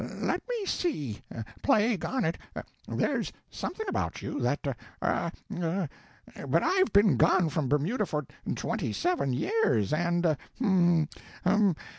let me see... plague on it... there's something about you that... er... er... but I've been gone from Bermuda for twenty seven years, and... hum, hum